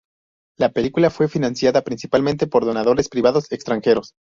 La película fue financiada principalmente por donadores privados extranjeros.